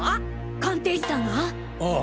鑑定士さんが！？ああ。